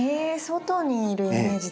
外にいるイメージ